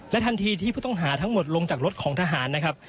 ทันทีที่ผู้ต้องหาทั้งหมดลงจากรถของทหารนะครับ